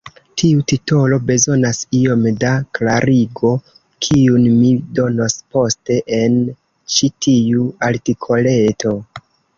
Tiu titolo bezonas iom da klarigo, kiun mi donos poste en ĉi tiu artikoleto.